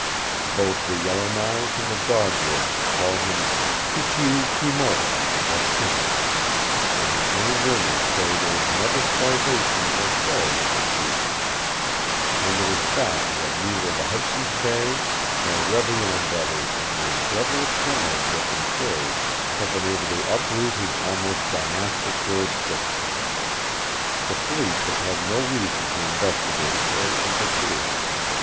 Both the Yellowknives and the Dog Ribs call him KICHEOO KIMOW, or King, and the same rumors say there is never starvation or plague in his regions; and it is fact that neither the Hudson's Bay nor Revillon Brothers in their cleverest generalship and trade have been able to uproot his almost dynastic jurisdiction. The Police have had no reason to investigate or interfere."